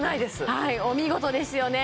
はいお見事ですよね